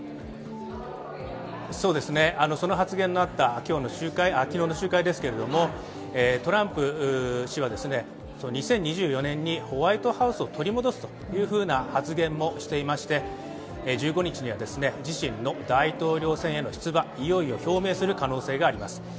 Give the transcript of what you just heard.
その発言のあった昨日の集会ですけれどもトランプ氏は２０２４年にホワイトハウスを取り戻すというふうな発言もしていまして、１５日には、自身の大統領選への出馬いよいよ表明する可能性があります。